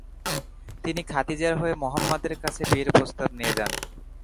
তিনি খাদিজার হয়ে মুহাম্মদ এর কাছে বিয়ের প্রস্তাব নিয়ে যান।